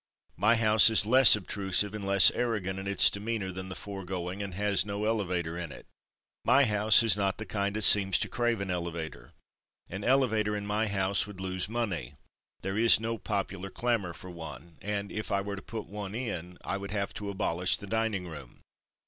My house is less obtrusive and less arrogant in its demeanor than the foregoing, and it has no elevator in it. My house is not the kind that seems to crave an elevator. An elevator in my house would lose money. There is no popular clamor for one, and if I were to put one in I would have to abolish the dining room.